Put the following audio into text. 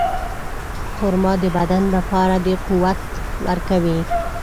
خرما د بدن لپاره قوت ورکوي.